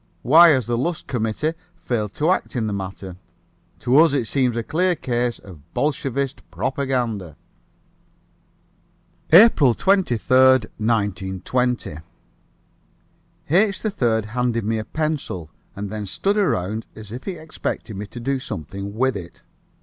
Why has the Lusk committee failed to act in the matter? To us it seems a clear case of Bolshevist propaganda. APRIL 23, 1920. H. 3rd handed me a pencil, and then stood around as if he expected me to do something with it.